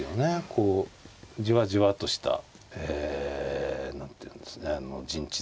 こうじわじわとしたえ何ていうんです陣地作りに。